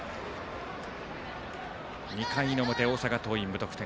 ２回の表、大阪桐蔭、無得点。